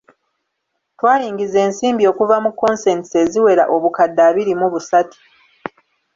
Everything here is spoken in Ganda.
Twayingiza ensimbi okuva mu consents eziwera obukadde abiri mu busatu.